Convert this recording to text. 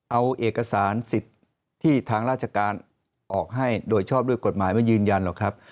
เอาเอกสารสิทธิ์ที่ทางราชการออกให้โดยชอบด้วยกฎหมายมายืนยันหรอกครับ